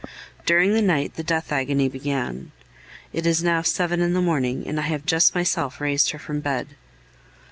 During the night the death agony began. It is now seven in the morning, and I have just myself raised her from bed.